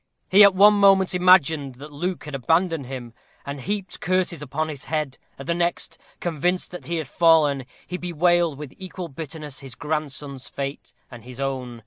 He at one moment imagined that Luke had abandoned him, and heaped curses upon his head; at the next, convinced that he had fallen, he bewailed with equal bitterness his grandson's fate and his own.